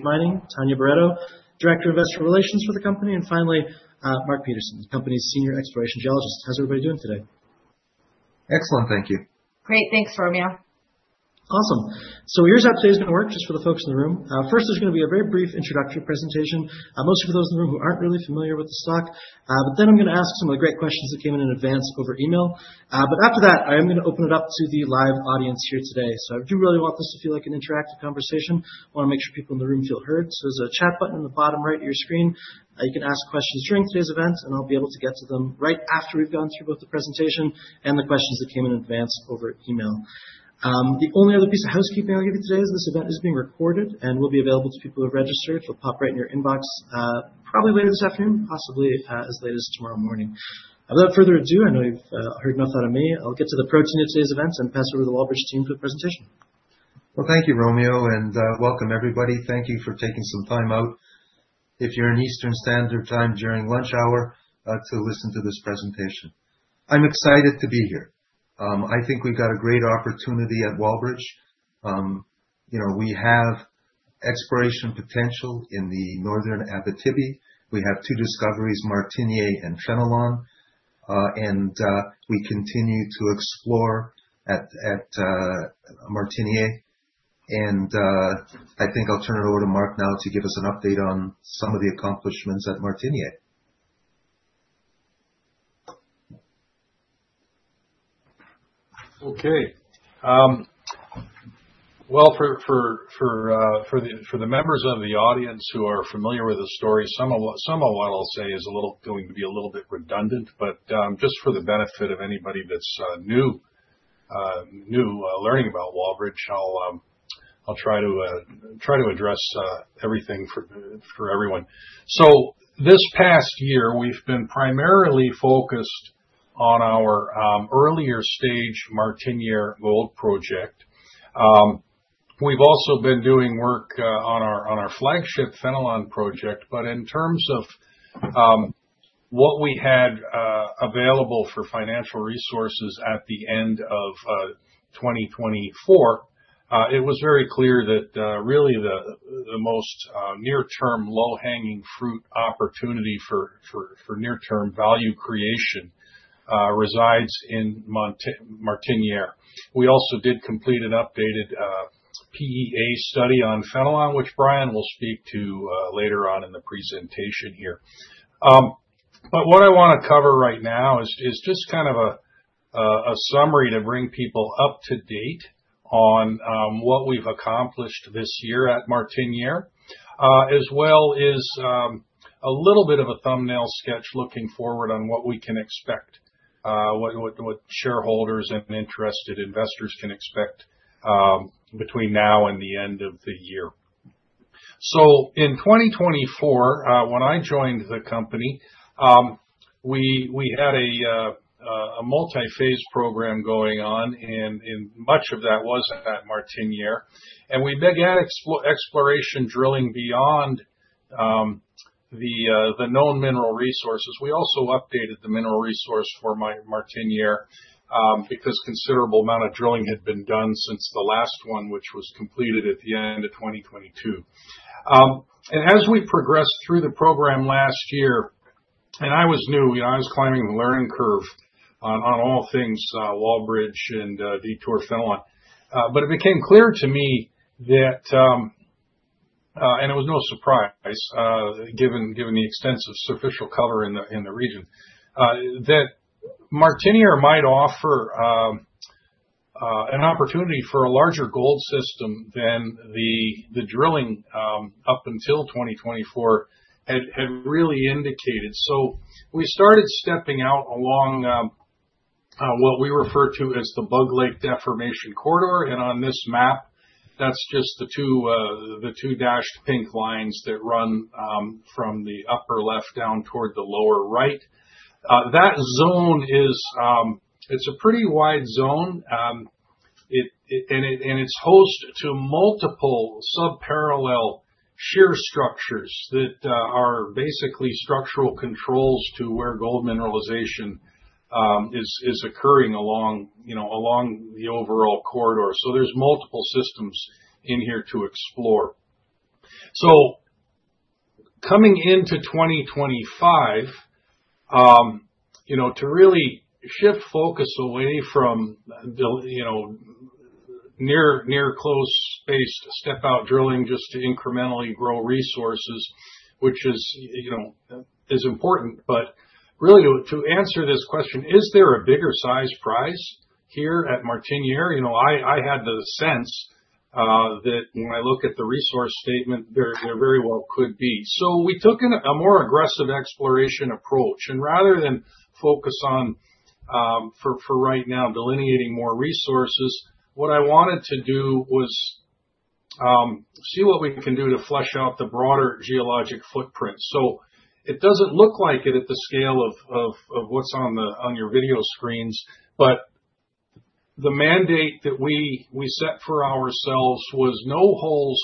Mining, Tania Barreto, Director of Investor Relations for the company, and finally, Mark Petersen, the company's Senior Exploration Geologist. How's everybody doing today? Excellent, thank you. Great, thanks, Romeo. Awesome. So here's how today's going to work, just for the folks in the room. First, there's going to be a very brief introductory presentation, mostly for those in the room who aren't really familiar with the stock, but then I'm going to ask some of the great questions that came in in advance over email. But after that, I am going to open it up to the live audience here today. So I do really want this to feel like an interactive conversation. I want to make sure people in the room feel heard. So there's a chat button in the bottom right of your screen. You can ask questions during today's event, and I'll be able to get to them right after we've gone through both the presentation and the questions that came in advance over email. The only other piece of housekeeping I'll give you today is this event is being recorded and will be available to people who have registered. It'll pop right in your inbox probably later this afternoon, possibly as late as tomorrow morning. Without further ado, I know you've heard enough out of me. I'll get to the meat of today's event and pass it over to the Wallbridge team for the presentation. Well, thank you, Romeo, and welcome, everybody. Thank you for taking some time out, if you're in Eastern Standard Time during lunch hour, to listen to this presentation. I'm excited to be here. I think we've got a great opportunity at Wallbridge. We have exploration potential in the Northern Abitibi. We have two discoveries, Martinique and Fenelon, and we continue to explore at Martinique. And I think I'll turn it over to Mark now to give us an update on some of the accomplishments at Martinique. Okay. Well, for the members of the audience who are familiar with the story, some of what I'll say is going to be a little bit redundant, but just for the benefit of anybody that's new learning about Wallbridge, I'll try to address everything for everyone. So this past year, we've been primarily focused on our earlier stage Martiniere Gold project. We've also been doing work on our flagship Fenelon project. But in terms of what we had available for financial resources at the end of 2024, it was very clear that really the most near-term low-hanging fruit opportunity for near-term value creation resides in Martiniere. We also did complete an updated PEA study on Fenelon, which Brian will speak to later on in the presentation here. But what I want to cover right now is just kind of a summary to bring people up to date on what we've accomplished this year at Martinique, as well as a little bit of a thumbnail sketch looking forward on what we can expect, what shareholders and interested investors can expect between now and the end of the year. So in 2024, when I joined the company, we had a multi-phase program going on, and much of that was at Martinique. And we began exploration drilling beyond the known mineral resources. We also updated the mineral resource for Martinique because a considerable amount of drilling had been done since the last one, which was completed at the end of 2022. And as we progressed through the program last year, and I was new, I was climbing the learning curve on all things Wallbridge and Detour Fenelon. But it became clear to me that, and it was no surprise given the extensive surficial cover in the region, that Martiniere might offer an opportunity for a larger gold system than the drilling up until 2024 had really indicated. So we started stepping out along what we refer to as the Bug Lake Deformation Corridor. And on this map, that's just the two dashed pink lines that run from the upper left down toward the lower right. That zone is a pretty wide zone, and it's host to multiple subparallel shear structures that are basically structural controls to where gold mineralization is occurring along the overall corridor. So there's multiple systems in here to explore. So coming into 2025, to really shift focus away from near-close space to step-out drilling just to incrementally grow resources, which is important. But really, to answer this question, is there a bigger size prize here at Martiniere? I had the sense that when I look at the resource statement, there very well could be. So we took a more aggressive exploration approach. And rather than focus on, for right now, delineating more resources, what I wanted to do was see what we can do to flesh out the broader geologic footprint. So it doesn't look like it at the scale of what's on your video screens, but the mandate that we set for ourselves was no holes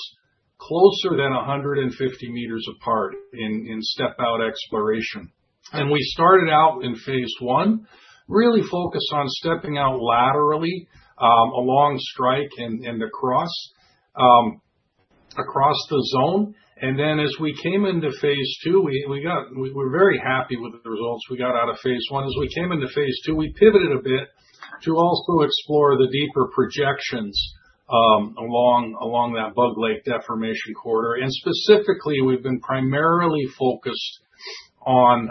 closer than 150 meters apart in step-out exploration. And we started out in phase one, really focused on stepping out laterally along strike and across the zone. And then as we came into phase two, we were very happy with the results we got out of phase one. As we came into phase two, we pivoted a bit to also explore the deeper projections along that Bug Lake Deformation Corridor. And specifically, we've been primarily focused on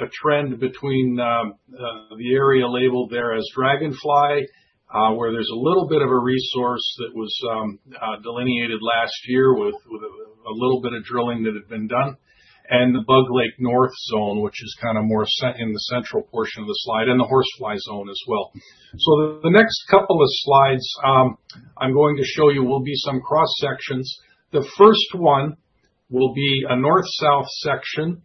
a trend between the area labeled there as Dragonfly, where there's a little bit of a resource that was delineated last year with a little bit of drilling that had been done, and the Bug Lake North zone, which is kind of more in the central portion of the slide, and the Horsefly zone as well. So the next couple of slides I'm going to show you will be some cross-sections. The first one will be a north-south section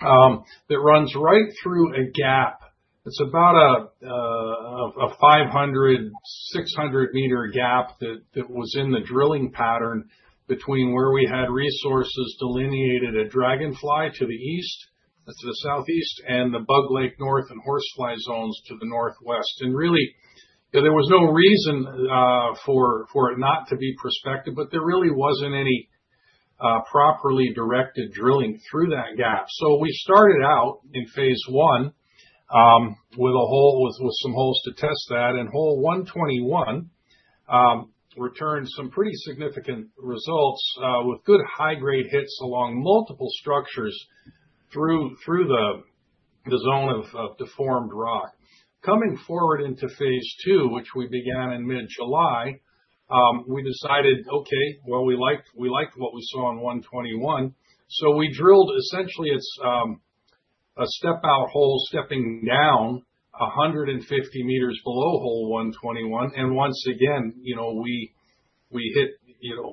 that runs right through a gap. It's about a 500-600-meter gap that was in the drilling pattern between where we had resources delineated at Dragonfly to the east, to the southeast, and the Bug Lake North and Horsefly zones to the northwest. And really, there was no reason for it not to be prospected, but there really wasn't any properly directed drilling through that gap. So we started out in phase one with some holes to test that, and hole 121 returned some pretty significant results with good high-grade hits along multiple structures through the zone of deformed rock. Coming forward into phase two, which we began in mid-July, we decided, okay, well, we liked what we saw in 121. So we drilled essentially a step-out hole, stepping down 150 meters below hole 121. And once again, we hit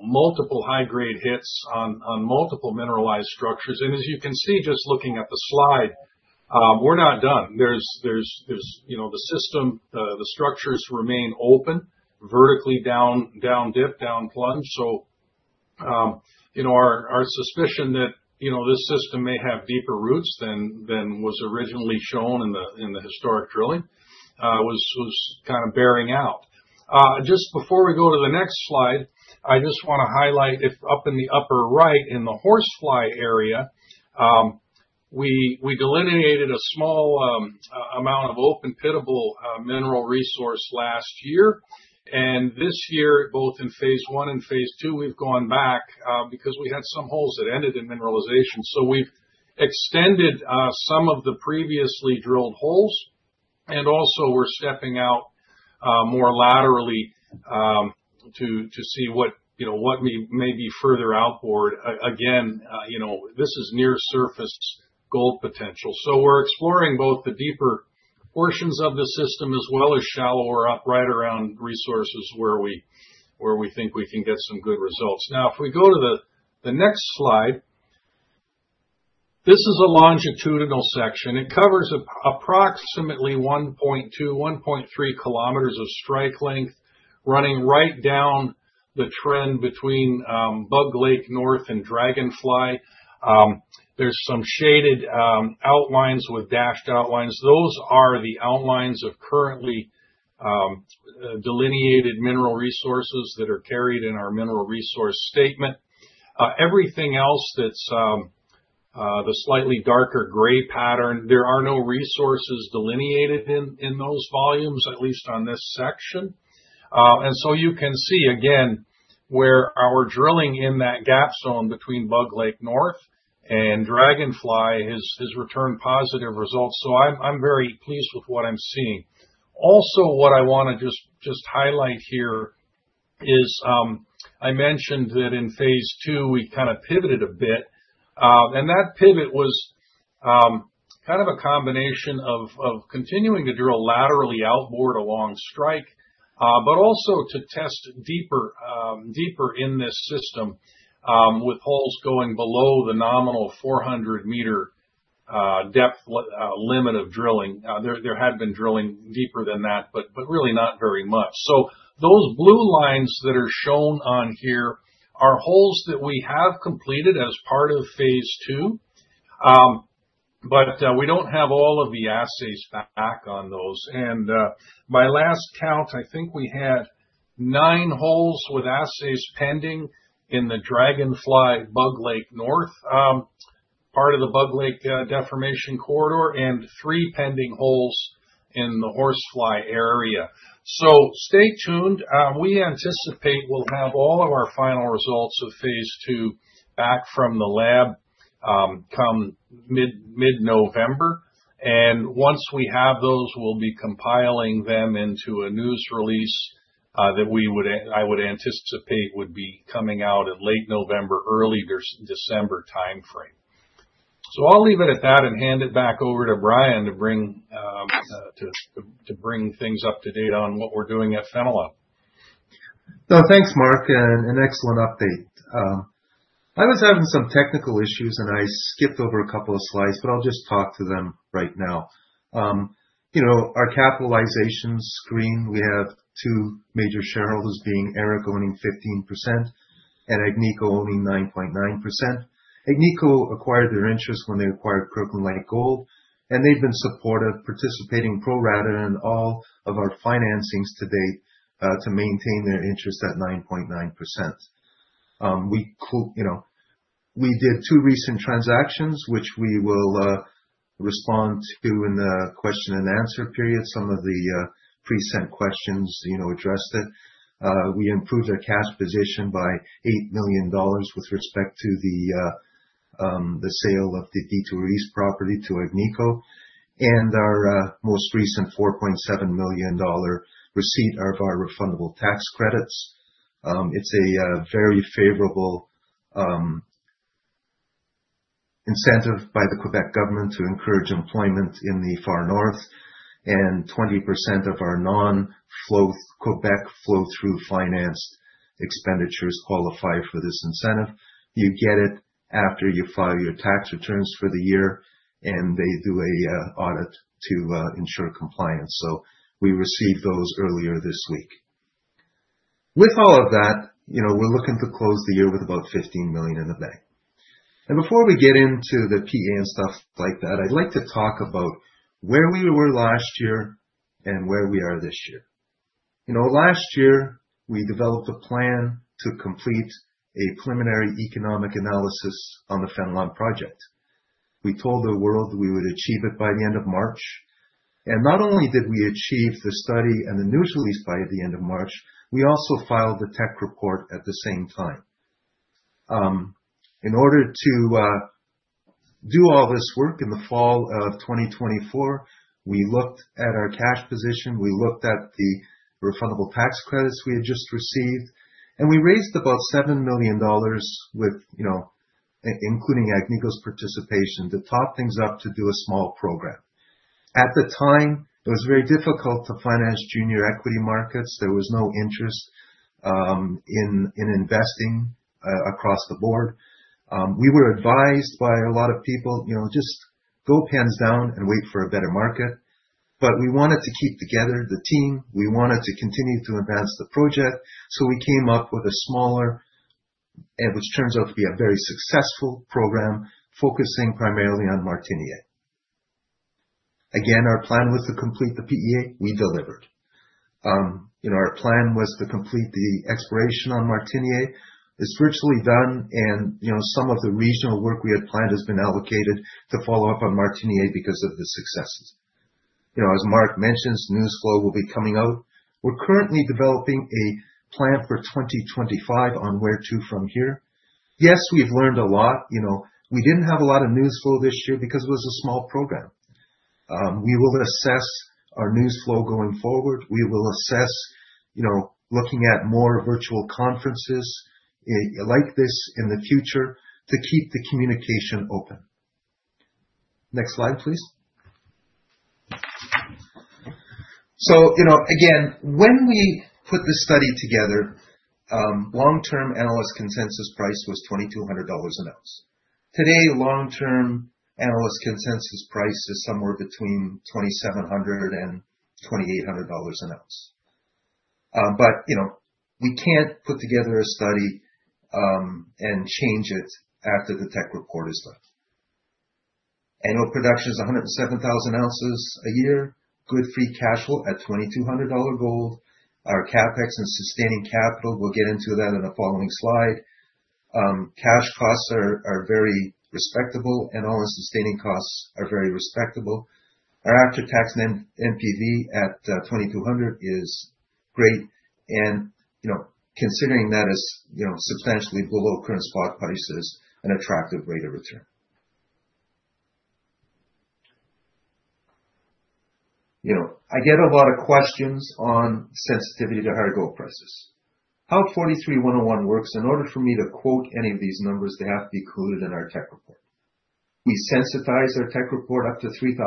multiple high-grade hits on multiple mineralized structures. As you can see, just looking at the slide, we're not done. The system, the structures remain open vertically down dip, down plunge. Our suspicion that this system may have deeper roots than was originally shown in the historic drilling was kind of bearing out. Just before we go to the next slide, I just want to highlight up in the upper right in the Horsefly area. We delineated a small amount of open pittable mineral resource last year. This year, both in phase one and phase two, we've gone back because we had some holes that ended in mineralization. We've extended some of the previously drilled holes, and also we're stepping out more laterally to see what may be further outboard. Again, this is near-surface gold potential. We're exploring both the deeper portions of the system as well as shallower upright around resources where we think we can get some good results. Now, if we go to the next slide, this is a longitudinal section. It covers approximately 1.2-1.3 kilometers of strike length running right down the trend between Bug Lake North and Dragonfly. There's some shaded outlines with dashed outlines. Those are the outlines of currently delineated mineral resources that are carried in our mineral resource statement. Everything else that's the slightly darker gray pattern, there are no resources delineated in those volumes, at least on this section. You can see, again, where our drilling in that gap zone between Bug Lake North and Dragonfly has returned positive results. I'm very pleased with what I'm seeing. Also, what I want to just highlight here is I mentioned that in phase two, we kind of pivoted a bit. And that pivot was kind of a combination of continuing to drill laterally outboard along strike, but also to test deeper in this system with holes going below the nominal 400-meter depth limit of drilling. There had been drilling deeper than that, but really not very much. So those blue lines that are shown on here are holes that we have completed as part of phase two, but we don't have all of the assays back on those. And by last count, I think we had nine holes with assays pending in the Dragonfly Bug Lake North part of the Bug Lake Deformation Corridor and three pending holes in the Horsefly area. So stay tuned. We anticipate we'll have all of our final results of phase two back from the lab come mid-November, and once we have those, we'll be compiling them into a news release that I would anticipate would be coming out in late November, early December timeframe, so I'll leave it at that and hand it back over to Brian to bring things up to date on what we're doing at Fenelon. Thanks, Mark, and an excellent update. I was having some technical issues, and I skipped over a couple of slides, but I'll just talk to them right now. Our capitalization screen, we have two major shareholders being Eric owning 15% and Agnico owning 9.9%. Agnico acquired their interest when they acquired Kirkland Lake Gold, and they've been supportive, participating pro rata in all of our financings to date to maintain their interest at 9.9%. We did two recent transactions, which we will respond to in the question and answer period. Some of the pre-sent questions addressed it. We improved our cash position by 8 million dollars with respect to the sale of the Detour East property to Agnico. And our most recent 4.7 million dollar receipt of our refundable tax credits. It's a very favorable incentive by the Québec government to encourage employment in the far north. And 20% of our non-Québec flow-through finance expenditures qualify for this incentive. You get it after you file your tax returns for the year, and they do an audit to ensure compliance. So we received those earlier this week. With all of that, we're looking to close the year with about 15 million in the bank. And before we get into the PEA and stuff like that, I'd like to talk about where we were last year and where we are this year. Last year, we developed a plan to complete a preliminary economic analysis on the Fenelon project. We told the world we would achieve it by the end of March. And not only did we achieve the study and the news release by the end of March, we also filed the tech report at the same time. In order to do all this work in the fall of 2024, we looked at our cash position. We looked at the refundable tax credits we had just received, and we raised about 7 million dollars, including Agnico's participation, to top things up to do a small program. At the time, it was very difficult to finance junior equity markets. There was no interest in investing across the board. We were advised by a lot of people, "Just go pens down and wait for a better market." But we wanted to keep together the team. We wanted to continue to advance the project. So we came up with a smaller, which turns out to be a very successful program, focusing primarily on Martiniere. Again, our plan was to complete the PEA. We delivered. Our plan was to complete the exploration on Martiniere. It's virtually done, and some of the regional work we had planned has been allocated to follow up on Martiniere because of the successes. As Mark mentioned, news flow will be coming out. We're currently developing a plan for 2025 on where to from here. Yes, we've learned a lot. We didn't have a lot of news flow this year because it was a small program. We will assess our news flow going forward. We will assess looking at more virtual conferences like this in the future to keep the communication open. Next slide, please. So again, when we put the study together, long-term analyst consensus price was $2,200 an ounce. Today, long-term analyst consensus price is somewhere between $2,700 and $2,800 an ounce. But we can't put together a study and change it after the tech report is done. Annual production is 107,000 ounces a year. Good free cash flow at $2,200 gold. Our CapEx and sustaining capital will get into that in the following slide. Cash costs are very respectable, and all sustaining costs are very respectable. Our after-tax NPV at $2,200 is great, and considering that as substantially below current spot prices and attractive rate of return. I get a lot of questions on sensitivity to higher gold prices. How 43-101 works, in order for me to quote any of these numbers, they have to be included in our tech report. We sensitize our tech report up to $3,000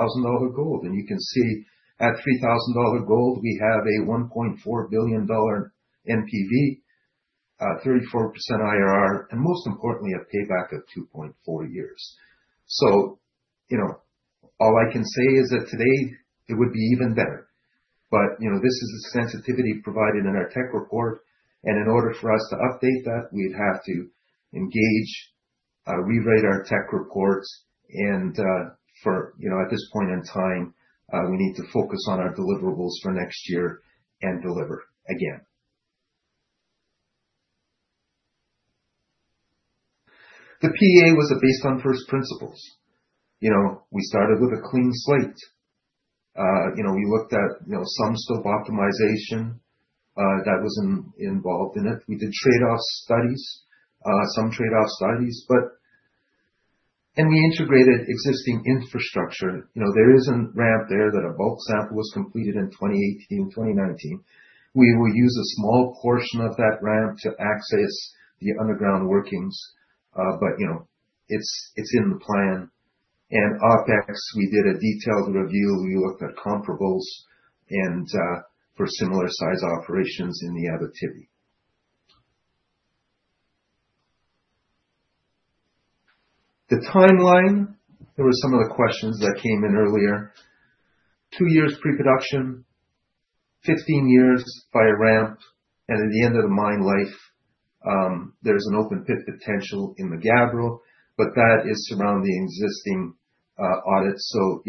gold, and you can see at $3,000 gold, we have a $1.4 billion NPV, 34% IRR, and most importantly, a payback of 2.4 years, so all I can say is that today, it would be even better, but this is the sensitivity provided in our tech report. And in order for us to update that, we'd have to engage, rewrite our tech reports, and at this point in time, we need to focus on our deliverables for next year and deliver again. The PEA was based on first principles. We started with a clean slate. We looked at some scope optimization that was involved in it. We did trade-off studies, some trade-off studies, and we integrated existing infrastructure. There is a ramp there that a bulk sample was completed in 2018, 2019. We will use a small portion of that ramp to access the underground workings, but it's in the plan, and OpEx, we did a detailed review. We looked at comparables for similar size operations in the Abitibi. The timeline, there were some of the questions that came in earlier. Two years pre-production, 15 years by a ramp, and at the end of the mine life, there's an open pit potential in the Gabbro, but that is surrounding existing adits, so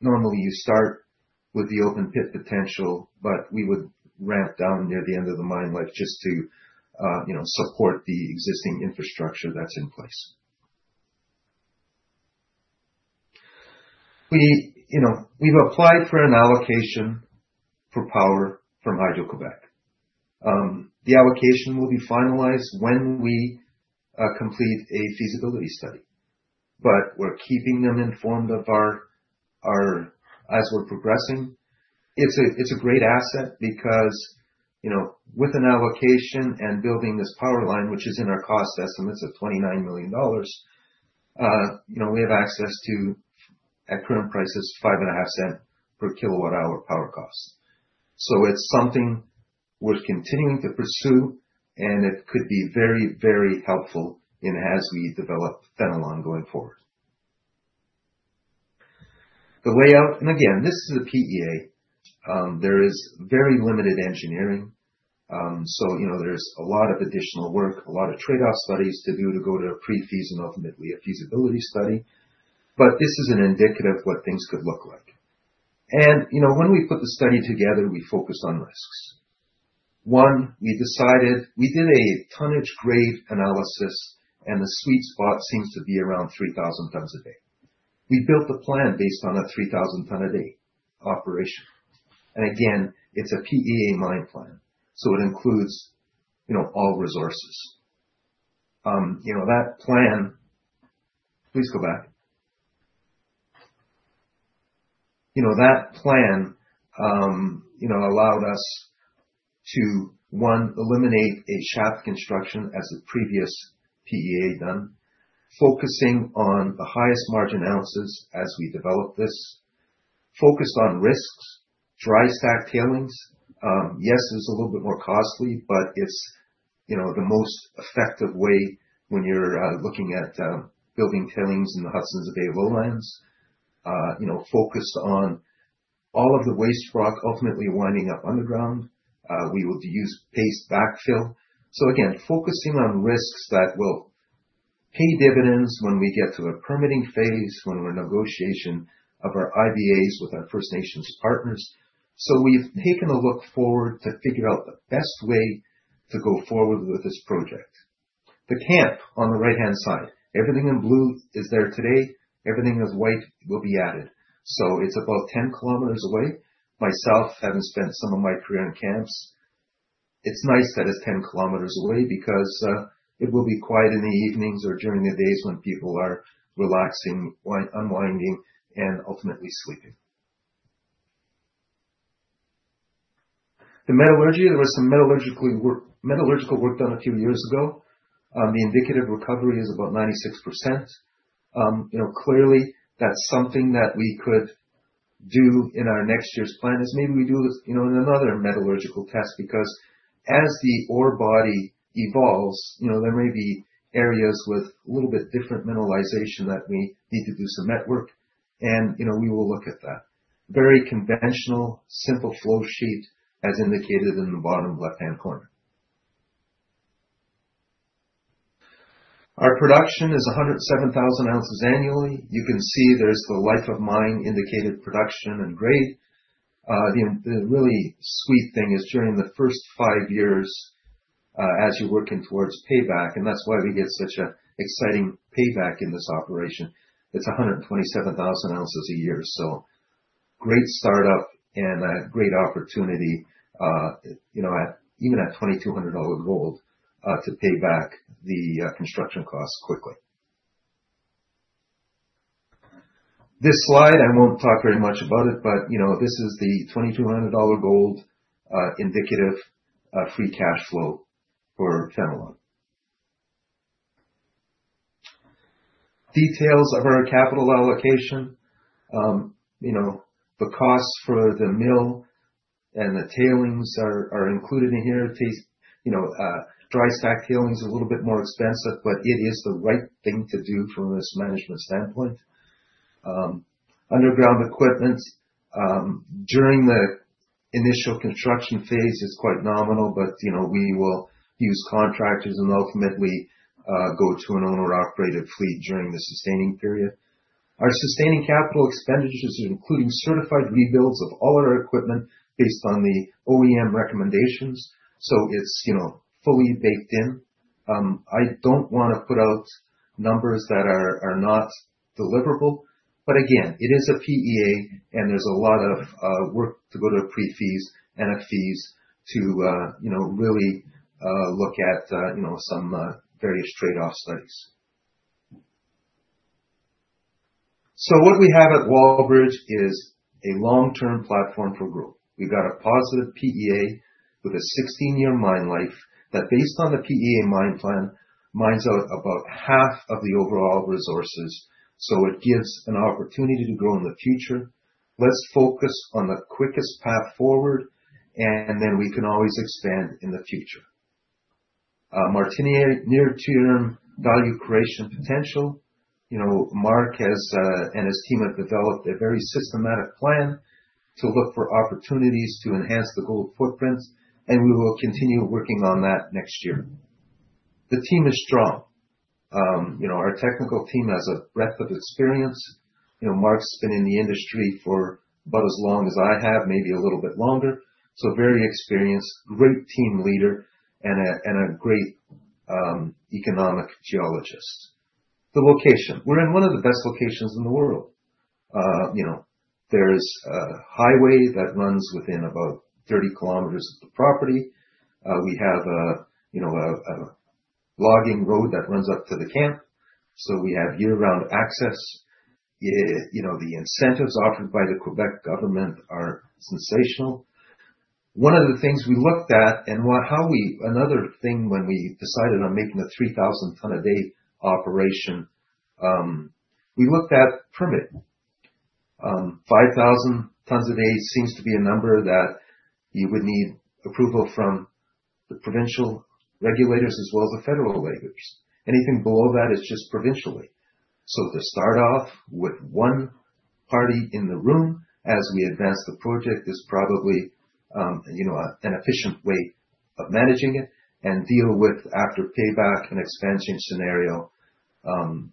normally, you start with the open pit potential, but we would ramp down near the end of the mine life just to support the existing infrastructure that's in place. We've applied for an allocation for power from Hydro-Québec. The allocation will be finalized when we complete a feasibility study, but we're keeping them informed as we're progressing. It's a great asset because with an allocation and building this power line, which is in our cost estimates of 29 million dollars, we have access to, at current prices, 0.055 per kilowatt-hour power cost, so it's something we're continuing to pursue, and it could be very, very helpful as we develop Fenelon going forward. The layout, and again, this is a PEA. There is very limited engineering, so there's a lot of additional work, a lot of trade-off studies to do to go to a pre-feas and ultimately a feasibility study, but this is an indicative of what things could look like, and when we put the study together, we focus on risks. One, we decided we did a tonnage grade analysis, and the sweet spot seems to be around 3,000 tons a day. We built the plan based on a 3,000-ton-a-day operation, and again, it's a PEA mine plan, so it includes all resources. That plan, please go back. That plan allowed us to, one, eliminate a shaft construction as the previous PEA done, focusing on the highest margin ounces as we developed this, focused on risks, dry stack tailings. Yes, it was a little bit more costly, but it's the most effective way when you're looking at building tailings in the Hudson Bay Lowlands, focused on all of the waste rock ultimately winding up underground. We would use paste backfill. So again, focusing on risks that will pay dividends when we get to a permitting phase, when we're in negotiation of our IBAs with our First Nations partners. So we've taken a look forward to figure out the best way to go forward with this project. The camp on the right-hand side, everything in blue is there today. Everything in white will be added. So it's about 10 km away. Myself, having spent some of my career in camps, it's nice that it's 10 km away because it will be quiet in the evenings or during the days when people are relaxing, unwinding, and ultimately sleeping. The metallurgy, there was some metallurgical work done a few years ago. The indicative recovery is about 96%. Clearly, that's something that we could do in our next year's plan is maybe we do another metallurgical test because as the ore body evolves, there may be areas with a little bit different mineralization that we need to do some work, and we will look at that. Very conventional, simple flow sheet as indicated in the bottom left-hand corner. Our production is 107,000 ounces annually. You can see there's the life of mine indicated production and grade. The really sweet thing is during the first five years as you're working towards payback, and that's why we get such an exciting payback in this operation. It's 127,000 ounces a year. So great startup and a great opportunity, even at $2,200 gold, to pay back the construction costs quickly. This slide, I won't talk very much about it, but this is the $2,200 gold indicative free cash flow for Fenelon. Details of our capital allocation. The costs for the mill and the tailings are included in here. Dry stack tailings is a little bit more expensive, but it is the right thing to do from a risk management standpoint. Underground equipment, during the initial construction phase, it's quite nominal, but we will use contractors and ultimately go to an owner-operated fleet during the sustaining period. Our sustaining capital expenditures are including certified rebuilds of all our equipment based on the OEM recommendations. So it's fully baked in. I don't want to put out numbers that are not deliverable, but again, it is a PEA, and there's a lot of work to go to pre-feas and feas to really look at some various trade-off studies. So what we have at Wallbridge is a long-term platform for growth. We've got a positive PEA with a 16-year mine life that, based on the PEA mine plan, mines out about half of the overall resources. So it gives an opportunity to grow in the future. Let's focus on the quickest path forward, and then we can always expand in the future. Martiniere, near-term value creation potential. Mark and his team have developed a very systematic plan to look for opportunities to enhance the gold footprint, and we will continue working on that next year. The team is strong. Our technical team has a breadth of experience. Mark's been in the industry for about as long as I have, maybe a little bit longer. So very experienced, great team leader, and a great economic geologist. The location, we're in one of the best locations in the world. There's a highway that runs within about 30 km of the property. We have a logging road that runs up to the camp. So we have year-round access. The incentives offered by the Québec government are sensational. One of the things we looked at, and another thing when we decided on making a 3,000-ton-a-day operation, we looked at permitting. 5,000 tons a day seems to be a number that you would need approval from the provincial regulators as well as the federal regulators. Anything below that is just provincially. So to start off with one party in the room as we advance the project is probably an efficient way of managing it and deal with after payback and expansion scenario.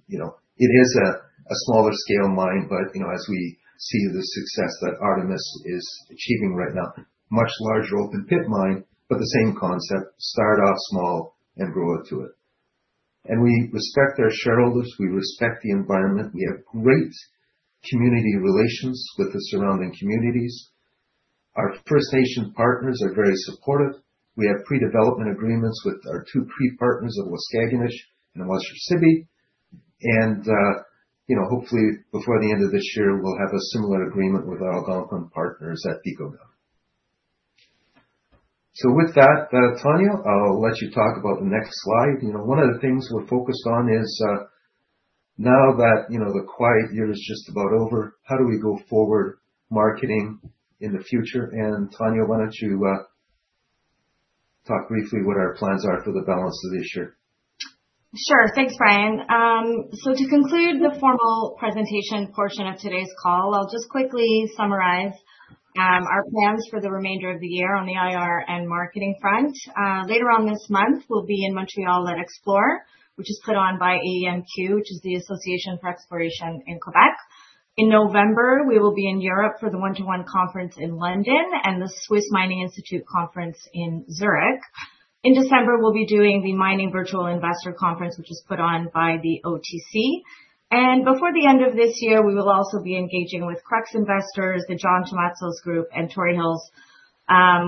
It is a smaller scale mine, but as we see the success that Artemis is achieving right now, much larger open pit mine, but the same concept, start off small and grow into it. We respect our shareholders. We respect the environment. We have great community relations with the surrounding communities. Our First Nation partners are very supportive. We have pre-development agreements with our two Cree partners of Waskaganish and Washaw Sibi. Hopefully, before the end of this year, we'll have a similar agreement with our Algonquin partners at Pikogan. With that, Tania, I'll let you talk about the next slide. One of the things we're focused on is now that the quiet year is just about over, how do we go forward marketing in the future? Tania, why don't you talk briefly what our plans are for the balance of this year? Sure. Thanks, Brian. So to conclude the formal presentation portion of today's call, I'll just quickly summarize our plans for the remainder of the year on the IR and marketing front. Later on this month, we'll be in Montreal and explore, which is put on by AEMQ, which is the Association for Exploration in Québec. In November, we will be in Europe for the 121 conference in London and the Swiss Mining Institute conference in Zurich. In December, we'll be doing the Mining Virtual Investor Conference, which is put on by the OTC. And before the end of this year, we will also be engaging with Crux Investor, the John Tumazos's Group, and Torrey Hills,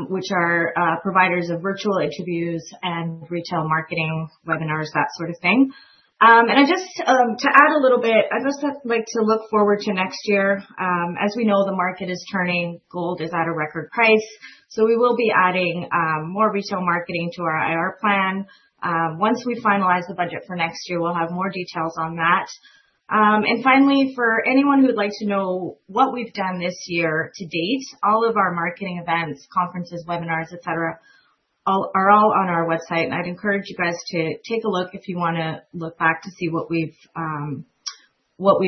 which are providers of virtual interviews and retail marketing webinars, that sort of thing. And just to add a little bit, I'd just like to look forward to next year. As we know, the market is turning. Gold is at a record price. So we will be adding more retail marketing to our IR plan. Once we finalize the budget for next year, we'll have more details on that. And finally, for anyone who'd like to know what we've done this year to date, all of our marketing events, conferences, webinars, etc., are all on our website. And I'd encourage you guys to take a look if you want to look back to see what we've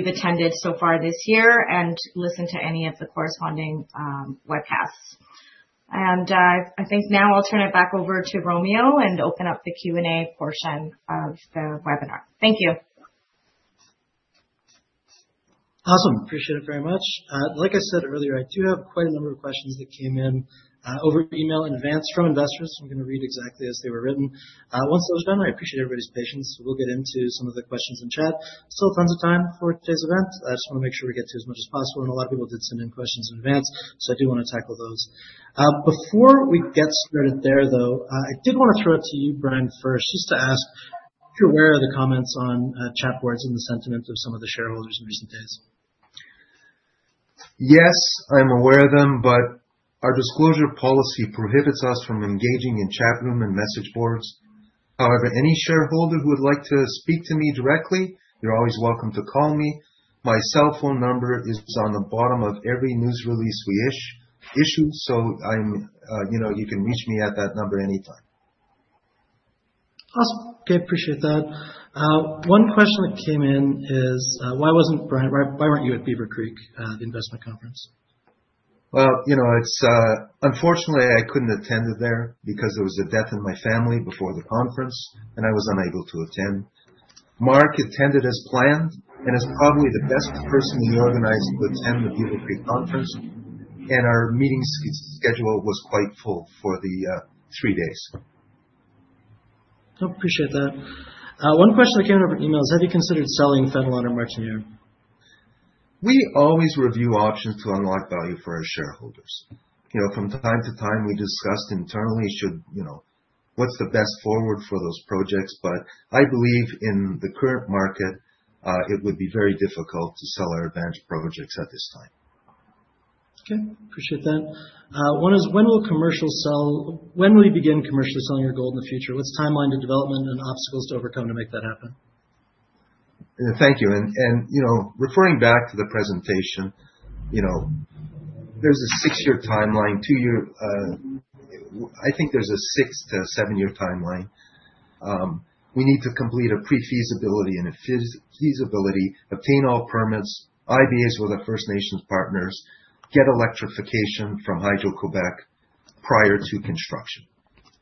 attended so far this year and listen to any of the corresponding webcasts. And I think now I'll turn it back over to Romeo and open up the Q&A portion of the webinar. Thank you. Awesome. Appreciate it very much. Like I said earlier, I do have quite a number of questions that came in over email in advance from investors. I'm going to read exactly as they were written. Once those are done, I appreciate everybody's patience. We'll get into some of the questions in chat. Still tons of time for today's event. I just want to make sure we get to as much as possible, and a lot of people did send in questions in advance, so I do want to tackle those. Before we get started there, though, I did want to throw it to you, Brian, first, just to ask if you're aware of the comments on chat boards and the sentiment of some of the shareholders in recent days. Yes, I'm aware of them, but our disclosure policy prohibits us from engaging in chat room and message boards. However, any shareholder who would like to speak to me directly, you're always welcome to call me. My cell phone number is on the bottom of every news release we issue, so you can reach me at that number anytime. Awesome. Okay. Appreciate that. One question that came in is, why wasn't Brian? Why weren't you at Beaver Creek, the investment conference? Well, unfortunately, I couldn't attend it there because there was a death in my family before the conference, and I was unable to attend. Mark attended as planned and is probably the best person we organized to attend the Beaver Creek conference. And our meeting schedule was quite full for the three days. Appreciate that. One question that came in over email is, have you considered selling Fenelon or Martiniere? We always review options to unlock value for our shareholders. From time to time, we discussed internally what's the best forward for those projects, but I believe in the current market, it would be very difficult to sell our advanced projects at this time. Okay. Appreciate that. One is, when will you begin commercially selling your gold in the future? What's the timeline to development and obstacles to overcome to make that happen? Thank you. And referring back to the presentation, there's a six-year timeline, two-year I think there's a six-to-seven-year timeline. We need to complete a pre-feasibility and a feasibility, obtain all permits, IBAs with our First Nations partners, get electrification from Hydro-Québec prior to construction.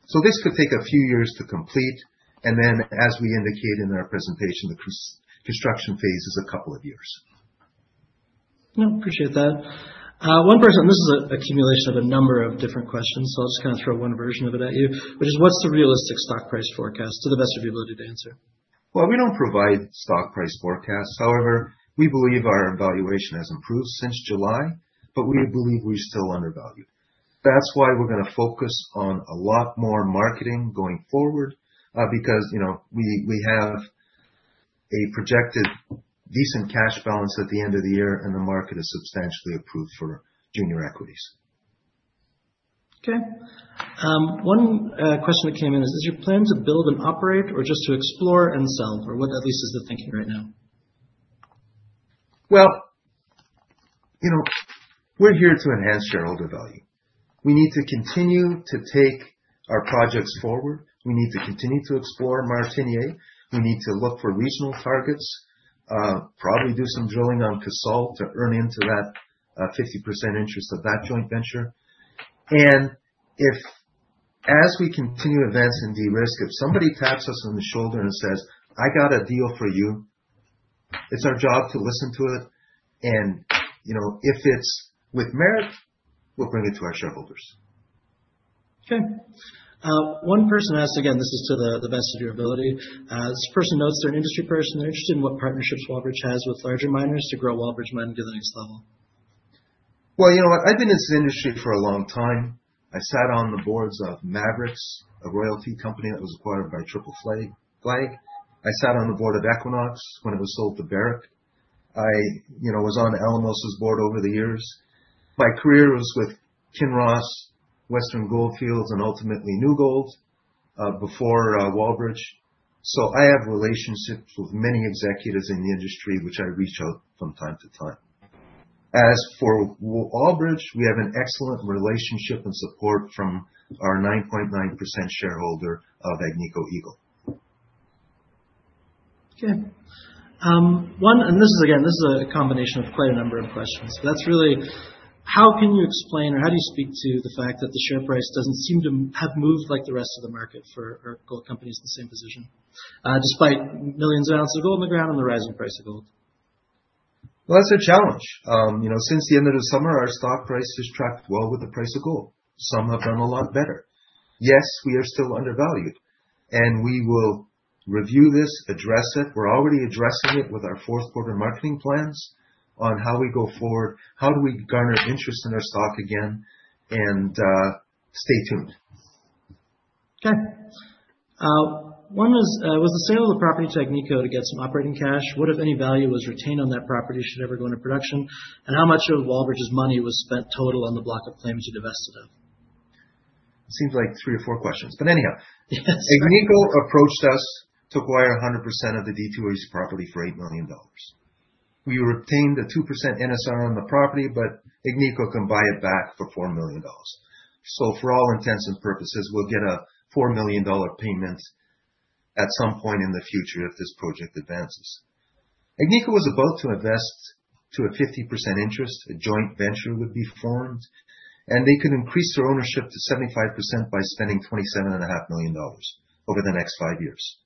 So this could take a few years to complete. And then, as we indicate in our presentation, the construction phase is a couple of years. Appreciate that. One person, this is an accumulation of a number of different questions, so I'll just kind of throw one version of it at you, which is, what's the realistic stock price forecast? To the best of your ability to answer. Well, we don't provide stock price forecasts. However, we believe our valuation has improved since July, but we believe we're still undervalued. That's why we're going to focus on a lot more marketing going forward because we have a projected decent cash balance at the end of the year, and the market is substantially approved for junior equities. Okay. One question that came in is, is your plan to build and operate or just to explore and sell? Or what at least is the thinking right now? Well, we're here to enhance shareholder value. We need to continue to take our projects forward. We need to continue to explore Martiniere. We need to look for regional targets, probably do some drilling on Casault to earn into that 50% interest of that joint venture. And as we continue advancing de-risk, if somebody taps us on the shoulder and says, "I got a deal for you," it's our job to listen to it. And if it's with merit, we'll bring it to our shareholders. Okay. One person asked, again, this is to the best of your ability. This person notes they're an industry person. They're interested in what partnerships Wallbridge has with larger miners to grow Wallbridge mine to the next level. Well, you know what? I've been in this industry for a long time. I sat on the boards of Maverix, a royalty company that was acquired by Triple Flag. I sat on the board of Equinox when it was sold to Barrick. I was on Alamos's board over the years. My career was with Kinross, Western Goldfields, and ultimately New Gold before Wallbridge. So I have relationships with many executives in the industry, which I reach out from time to time. As for Wallbridge, we have an excellent relationship and support from our 9.9% shareholder of Agnico Eagle. Okay. And this is, again, this is a combination of quite a number of questions. But that's really, how can you explain or how do you speak to the fact that the share price doesn't seem to have moved like the rest of the market for gold companies in the same position, despite millions of ounces of gold in the ground and the rising price of gold? Well, that's a challenge. Since the end of the summer, our stock price has tracked well with the price of gold. Some have done a lot better. Yes, we are still undervalued, and we will review this, address it. We're already addressing it with our Q4 marketing plans on how we go forward, how do we garner interest in our stock again, and stay tuned. Okay. One was the sale of the property to Agnico to get some operating cash? What, if any, value was retained on that property should ever go into production? And how much of Wallbridge's money was spent total on the block of claims you divested of? It seems like three or four questions. But anyhow, Agnico approached us to acquire 100% of the Detour East property for 8 million dollars. We retained a 2% NSR on the property, but Agnico can buy it back for 4 million dollars. So for all intents and purposes, we'll get a 4 million dollar payment at some point in the future if this project advances. Agnico was about to invest to a 50% interest. A joint venture would be formed, and they could increase their ownership to 75% by spending $27.5 million over the next five years.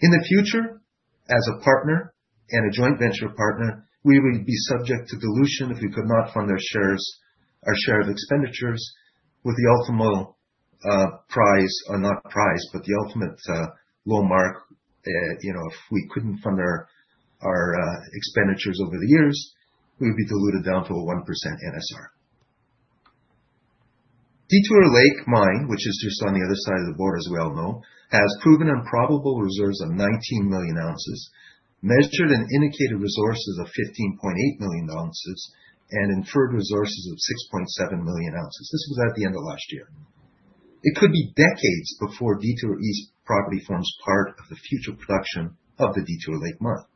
In the future, as a partner and a joint venture partner, we would be subject to dilution if we could not fund our share of expenditures with the ultimate prize or not prize, but the ultimate low mark. If we couldn't fund our expenditures over the years, we would be diluted down to a 1% NSR. Detour Lake Mine, which is just on the other side of the border, as we all know, has proven and probable reserves of 19 million ounces, measured and indicated resources of 15.8 million ounces, and inferred resources of 6.7 million ounces. This was at the end of last year. It could be decades before Detour East property forms part of the future production of the Detour Lake Mine.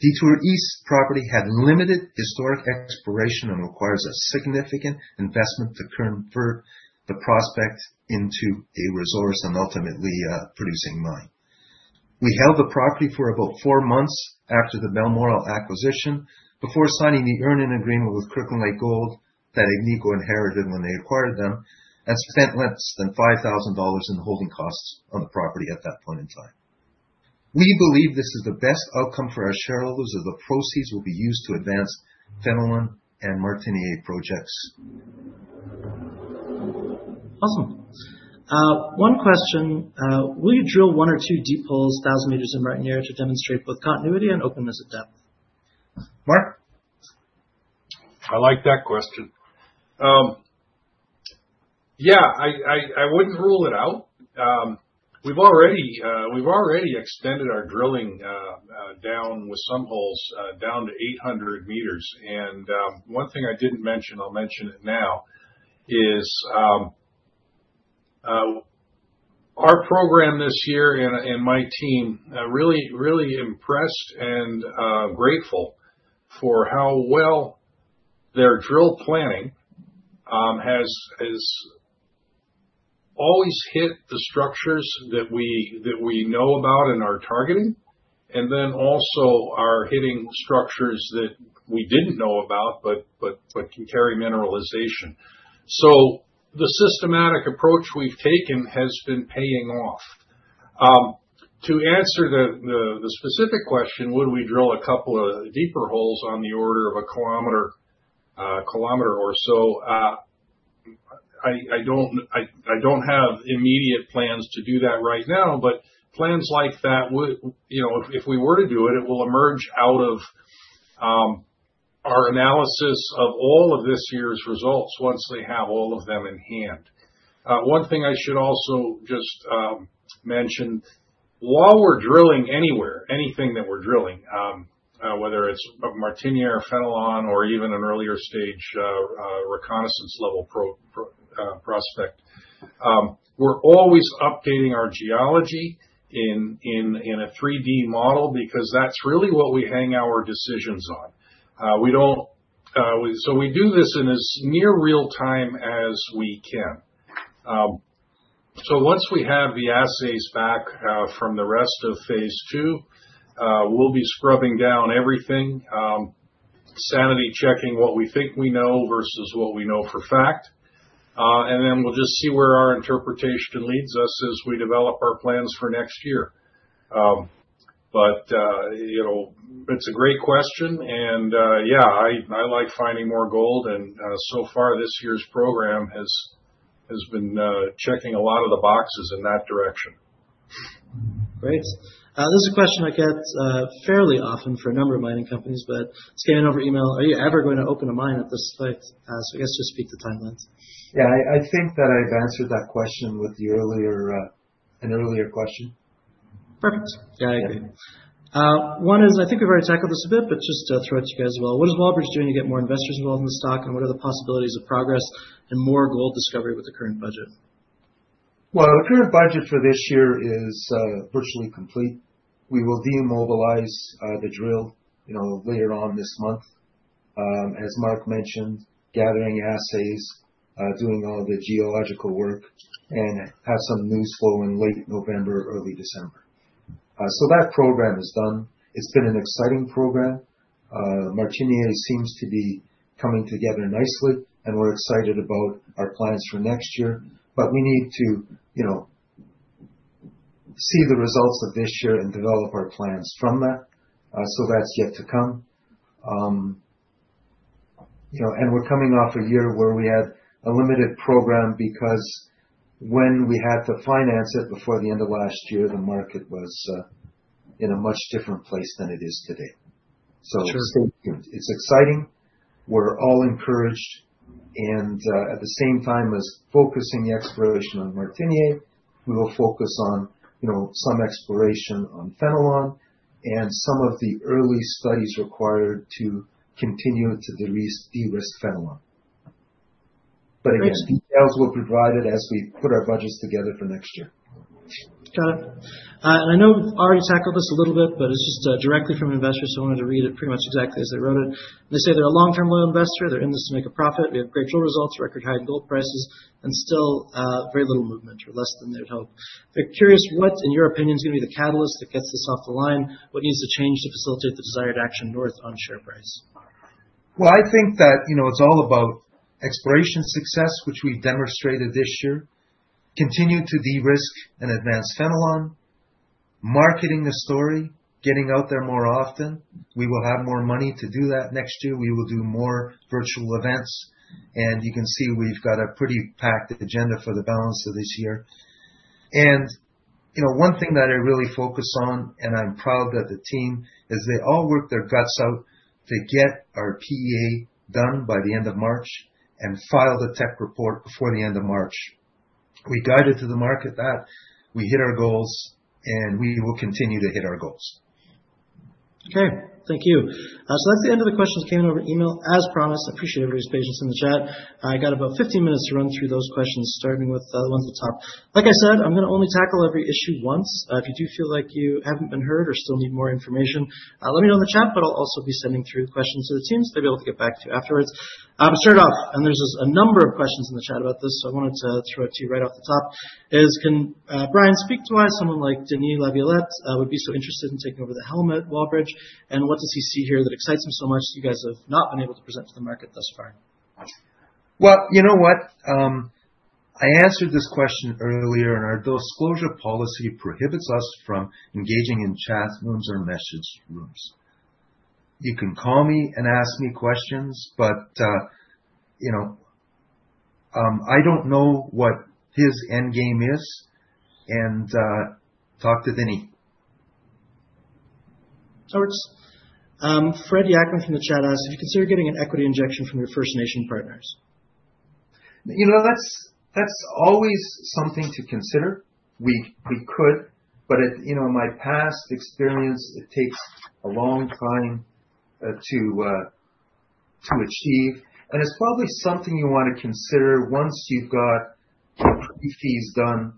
Detour East property had limited historic exploration and requires a significant investment to convert the prospect into a resource and ultimately producing mine. We held the property for about four months after the Balmoral acquisition before signing the earning agreement with Kirkland Lake Gold that Agnico inherited when they acquired them and spent less than 5,000 dollars in holding costs on the property at that point in time. We believe this is the best outcome for our shareholders as the proceeds will be used to advance Fenelon and Martinique projects. Awesome. One question. Will you drill one or two deep holes, 1,000 meters in Martinique to demonstrate both continuity and openness of depth? Mark? I like that question. Yeah, I wouldn't rule it out. We've already extended our drilling down with some holes down to 800 meters, and one thing I didn't mention, I'll mention it now, is our program this year and my team really impressed and grateful for how well their drill planning has always hit the structures that we know about and are targeting and then also are hitting structures that we didn't know about but can carry mineralization, so the systematic approach we've taken has been paying off. To answer the specific question, would we drill a couple of deeper holes on the order of a kilometer or so? I don't have immediate plans to do that right now, but plans like that, if we were to do it, it will emerge out of our analysis of all of this year's results once they have all of them in hand. One thing I should also just mention, while we're drilling anywhere, anything that we're drilling, whether it's Martiniere or Fenelon or even an earlier stage reconnaissance-level prospect, we're always updating our geology in a 3D model because that's really what we hang our decisions on. So we do this in as near real time as we can. So once we have the assays back from the rest of phase two, we'll be scrubbing down everything, sanity checking what we think we know versus what we know for fact. And then we'll just see where our interpretation leads us as we develop our plans for next year. But it's a great question. And yeah, I like finding more gold. And so far, this year's program has been checking a lot of the boxes in that direction. Great. This is a question I get fairly often for a number of mining companies, but it's getting over email. Are you ever going to open a mine at this point? So I guess just speak to timelines. Yeah, I think that I've answered that question with an earlier question. Perfect. Yeah, I agree. One is, I think we've already tackled this a bit, but just to throw it to you guys as well. What is Wallbridge doing to get more investors involved in the stock, and what are the possibilities of progress and more gold discovery with the current budget? Well, the current budget for this year is virtually complete. We will demobilize the drill later on this month, as Mark mentioned, gathering assays, doing all the geological work, and have some news flow in late November, early December. So that program is done. It's been an exciting program. Martiniere seems to be coming together nicely, and we're excited about our plans for next year, but we need to see the results of this year and develop our plans from that, so that's yet to come, and we're coming off a year where we had a limited program because when we had to finance it before the end of last year, the market was in a much different place than it is today, so it's exciting. We're all encouraged, and at the same time as focusing exploration on Martiniere, we will focus on some exploration on Fenelon and some of the early studies required to continue to de-risk Fenelon, but again, details will be provided as we put our budgets together for next year. Got it, and I know we've already tackled this a little bit, but it's just directly from investors. I wanted to read it pretty much exactly as they wrote it. They say they're a long-term low investor. They're in this to make a profit. We have great drill results, record high gold prices, and still very little movement or less than they would hope. They're curious what, in your opinion, is going to be the catalyst that gets this off the line? What needs to change to facilitate the desired action north on share price? Well, I think that it's all about exploration success, which we demonstrated this year, continue to de-risk and advance Fenelon, marketing the story, getting out there more often. We will have more money to do that next year. We will do more virtual events. And you can see we've got a pretty packed agenda for the balance of this year. One thing that I really focus on, and I'm proud of the team, is they all worked their guts out to get our PEA done by the end of March and file the tech report before the end of March. We guided to the market that we hit our goals, and we will continue to hit our goals. Okay. Thank you. That's the end of the questions came in over email. As promised, I appreciate everybody's patience in the chat. I got about 15 minutes to run through those questions, starting with the ones at the top. Like I said, I'm going to only tackle every issue once. If you do feel like you haven't been heard or still need more information, let me know in the chat, but I'll also be sending through the questions to the teams, they'll be able to get back to afterwards. Started off, and there's a number of questions in the chat about this, so I wanted to throw it to you right off the top. Can Brian speak to why someone like Denis Laviolette would be so interested in taking over the helm at Wallbridge? And what does he see here that excites him so much that you guys have not been able to present to the market thus far? Well, you know what? I answered this question earlier, and our disclosure policy prohibits us from engaging in chat rooms or message rooms. You can call me and ask me questions, but I don't know what his end game is and talk to Denis. Thanks. Fred Yakman from the chat asked if you consider getting an equity injection from your First Nation partners? That's always something to consider. We could, but in my past experience, it takes a long time to achieve, and it's probably something you want to consider once you've got the PEAs done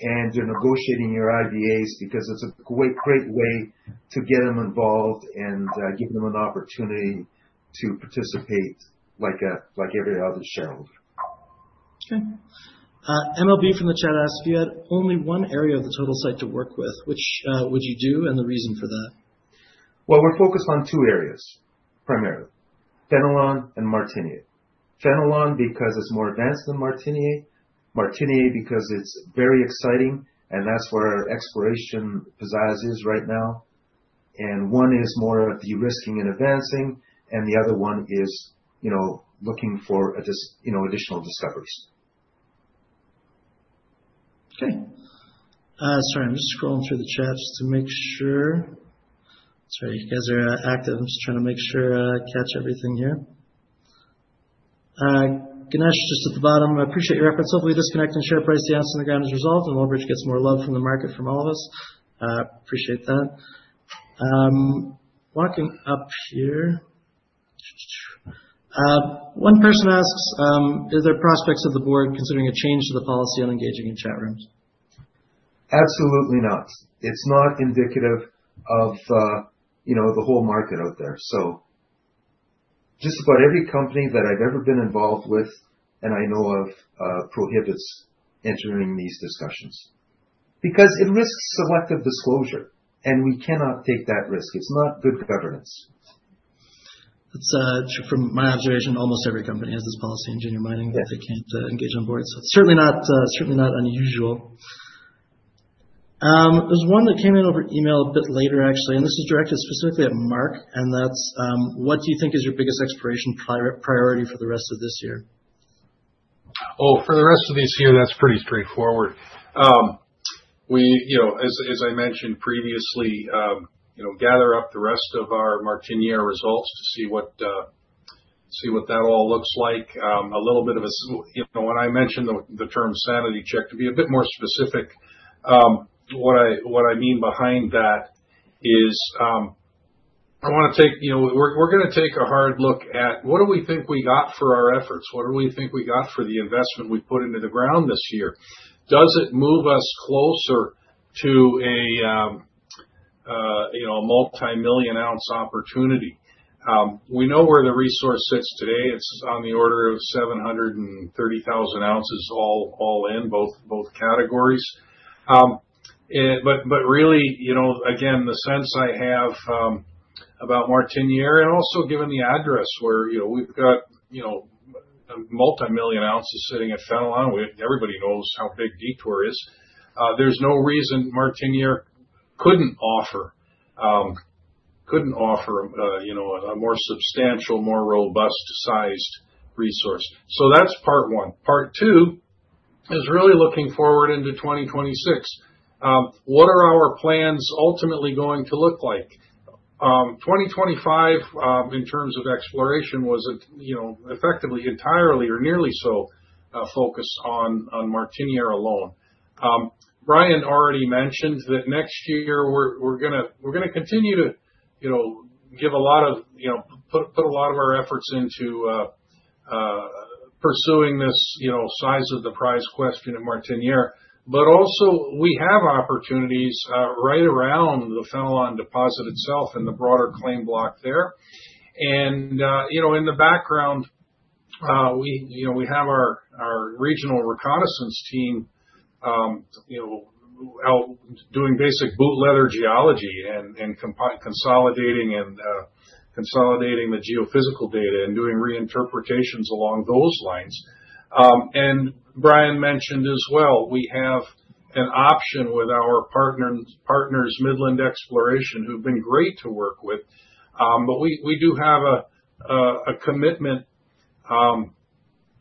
and you're negotiating your IBAs because it's a great way to get them involved and give them an opportunity to participate like every other shareholder. Okay. MLB from the chat asked, if you had only one area of the total site to work with, which would you do and the reason for that? Well, we're focused on two areas primarily: Fenelon and Martinique. Fenelon because it's more advanced than Martinique, Martinique because it's very exciting, and that's where our exploration pizzazz is right now, and one is more of de-risking and advancing, and the other one is looking for additional discoveries. Okay. Sorry, I'm just scrolling through the chat just to make sure. Sorry, you guys are active. I'm just trying to make sure I catch everything here. Ganesh, just at the bottom, I appreciate your efforts. Hopefully, disconnecting share price to the ounce in the ground is resolved and Wallbridge gets more love from the market from all of us. I appreciate that. Walking up here. One person asks, are there prospects of the board considering a change to the policy on engaging in chat rooms? Absolutely not. It's not indicative of the whole market out there. So just about every company that I've ever been involved with and I know of prohibits entering these discussions because it risks selective disclosure, and we cannot take that risk. It's not good governance. From my observation, almost every company has this policy in junior mining that they can't engage on boards. It's certainly not unusual. There's one that came in over email a bit later, actually, and this is directed specifically at Mark, and that's, what do you think is your biggest exploration priority for the rest of this year? Oh, for the rest of this year, that's pretty straightforward. As I mentioned previously, gather up the rest of our Martiniere results to see what that all looks like. A little bit of a, when I mentioned the term sanity check, to be a bit more specific, what I mean behind that is we're going to take a hard look at what do we think we got for our efforts? What do we think we got for the investment we put into the ground this year? Does it move us closer to a multi-million ounce opportunity? We know where the resource sits today. It's on the order of 730,000 ounces all in both categories. But really, again, the sense I have about Martiniere and also given the address where we've got multi-million ounces sitting at Fenelon, everybody knows how big Detour is. There's no reason Martiniere couldn't offer a more substantial, more robust-sized resource. So that's part one. Part two is really looking forward into 2026. What are our plans ultimately going to look like? 2025, in terms of exploration, was effectively entirely or nearly so focused on Martiniere alone. Brian already mentioned that next year, we're going to continue to put a lot of our efforts into pursuing this size of the prize question in Martiniere. But also, we have opportunities right around the Fenelon deposit itself and the broader claim block there. And in the background, we have our regional reconnaissance team doing basic boot leather geology and consolidating the geophysical data and doing reinterpretations along those lines. And Brian mentioned as well, we have an option with our partners, Midland Exploration, who've been great to work with. But we do have a commitment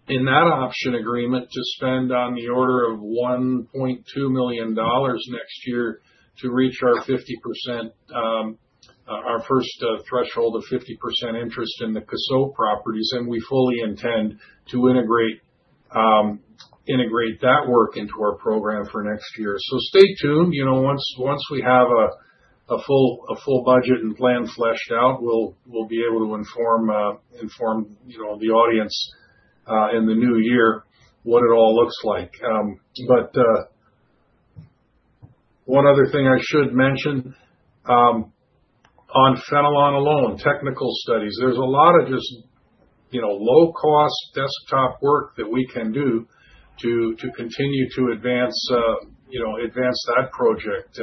in that option agreement to spend on the order of 1.2 million dollars next year to reach our 50%, our first threshold of 50% interest in the Casault properties. And we fully intend to integrate that work into our program for next year. So stay tuned. Once we have a full budget and plan fleshed out, we'll be able to inform the audience in the new year what it all looks like. But one other thing I should mention on Fenelon alone, technical studies. There's a lot of just low-cost desktop work that we can do to continue to advance that project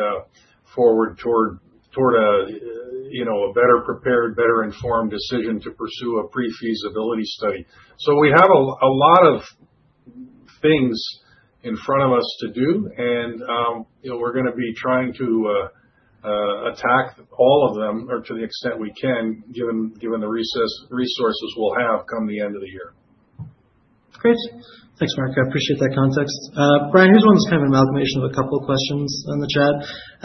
forward toward a better prepared, better informed decision to pursue a pre-feasibility study, so we have a lot of things in front of us to do, and we're going to be trying to attack all of them or to the extent we can, given the resources we'll have come the end of the year. Great. Thanks, Mark. I appreciate that context. Brian, here's one that's kind of an amalgamation of a couple of questions in the chat,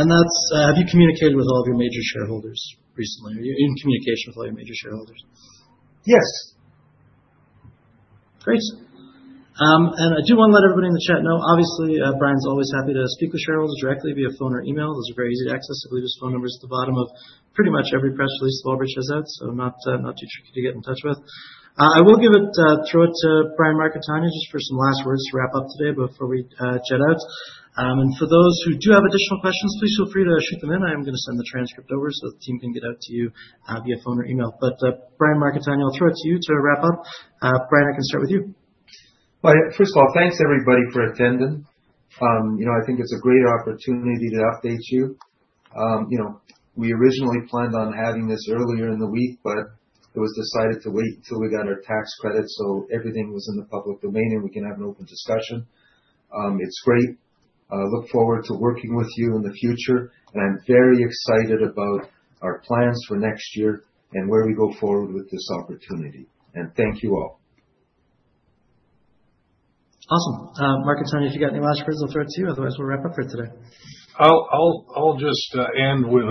and that's, have you communicated with all of your major shareholders recently? Are you in communication with all your major shareholders? Yes. Great, and I do want to let everybody in the chat know, obviously, Brian's always happy to speak with shareholders directly via phone or email. Those are very easy to access. I believe his phone number is at the bottom of pretty much every press release Wallbridge has out, so not too tricky to get in touch with. I will throw it to Brian, Mark, and Tania just for some last words to wrap up today before we jet out, and for those who do have additional questions, please feel free to shoot them in. I am going to send the transcript over so the team can get out to you via phone or email, but Brian, Mark, and Tania, I'll throw it to you to wrap up. Brian, I can start with you. First of all, thanks everybody for attending. I think it's a great opportunity to update you. We originally planned on having this earlier in the week, but it was decided to wait until we got our tax credit so everything was in the public domain and we can have an open discussion. It's great. I look forward to working with you in the future, and I'm very excited about our plans for next year and where we go forward with this opportunity. And thank you all. Awesome. Mark and Tania, if you got any last words, I'll throw it to you. Otherwise, we'll wrap up for today. I'll just end with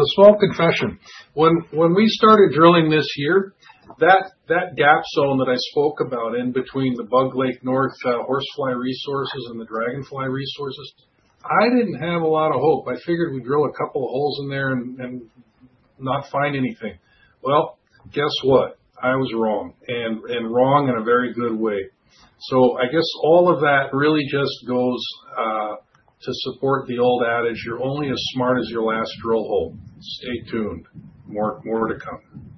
a small confession. When we started drilling this year, that gap zone that I spoke about in between the Bug Lake, North Horsefly resources and the Dragonfly resources, I didn't have a lot of hope. I figured we'd drill a couple of holes in there and not find anything. Well, guess what? I was wrong. And wrong in a very good way. So I guess all of that really just goes to support the old adage, you're only as smart as your last drill hole. Stay tuned. More to come.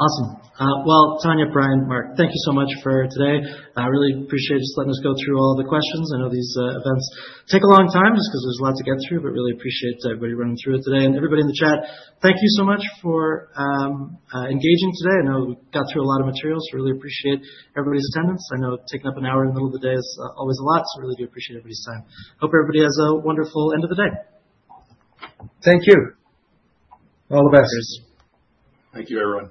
Awesome. Well, Tania, Brian, Mark, thank you so much for today. I really appreciate just letting us go through all the questions. I know these events take a long time just because there's a lot to get through, but really appreciate everybody running through it today. And everybody in the chat, thank you so much for engaging today. I know we got through a lot of materials, so I really appreciate everybody's attendance. I know taking up an hour in the middle of the day is always a lot, so I really do appreciate everybody's time. Hope everybody has a wonderful end of the day. Thank you. All the best. Thank you, everyone.